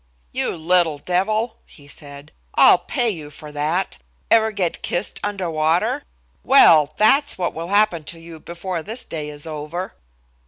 "You little devil," he said, "I'll pay you for that. Ever get kissed under water? Well, that's what will happen to you before this day is over."